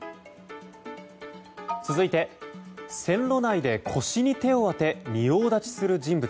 続いて、線路内で腰に手を当て仁王立ちする人物。